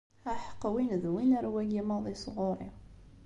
Aḥeqq win d win, ar wagi maḍi sɣuṛ-i!